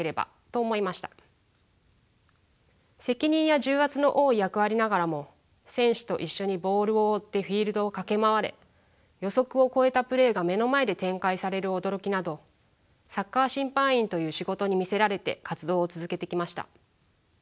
責任や重圧の多い役割ながらも選手と一緒にボールを追ってフィールドを駆け回れ予測を超えたプレーが目の前で展開される驚きなどサッカー審判員という仕事に魅せられて活動を続けてきました。